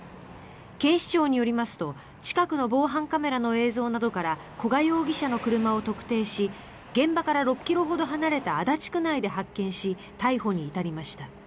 警視庁によりますと近くの防犯カメラの映像などから古賀容疑者の車を特定し現場から６ｋｍほど離れた足立区内で発見し逮捕に至りました。